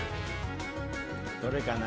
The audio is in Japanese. どれかな？